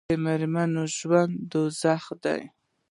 بې میرمنې ژوند دوزخ دی